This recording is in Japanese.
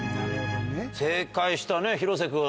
正解した広瀬君